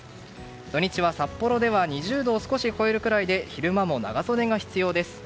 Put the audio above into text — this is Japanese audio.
土日は札幌では２０度を少し超えるくらいで昼間も長袖が必要です。